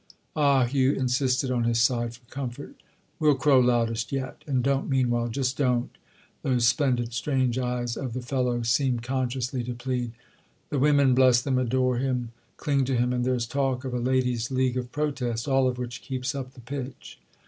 "Ah," Hugh insisted on his side for comfort, "we'll crow loudest yet! And don't meanwhile, just don't, those splendid strange eyes of the fellow seem consciously to plead? The women, bless them, adore him, cling to him, and there's talk of a 'Ladies' League of Protest'—all of which keeps up the pitch."